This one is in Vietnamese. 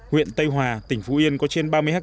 huyện tây hòa tỉnh phú yên có trên ba mươi ha